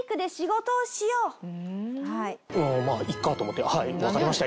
まあいいかと思って「はいわかりました。